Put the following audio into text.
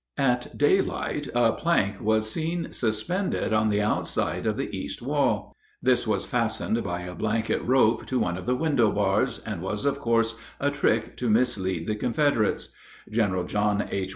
] At daylight a plank was seen suspended on the outside of the east wall; this was fastened by a blanket rope to one of the window bars, and was, of course, a trick to mislead the Confederates. General John H.